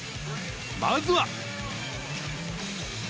まずは。